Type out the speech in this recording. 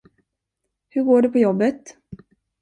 Hur går det på jobbet?